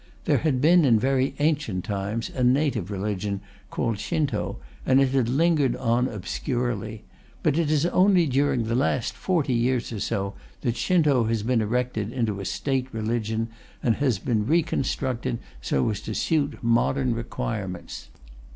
There had been, in very ancient times, a native religion called Shinto, and it had lingered on obscurely. But it is only during the last forty years or so that Shinto has been erected into a State religion, and has been reconstructed so as to suit modern requirements.